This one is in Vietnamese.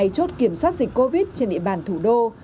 hai mươi hai chốt kiểm soát dịch covid trên địa bàn thủ đô